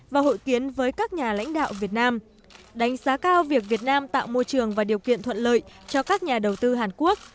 và hội kiến với các nhà lãnh đạo việt nam đánh giá cao việc việt nam tạo môi trường và điều kiện thuận lợi cho các nhà đầu tư hàn quốc